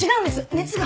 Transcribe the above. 熱が。